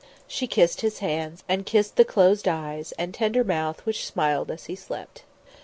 She kissed his hands, and kissed the closed eyes, and tender mouth which smiled as he slept.